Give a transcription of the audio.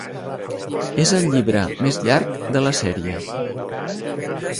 És el llibre més llarg de la sèrie.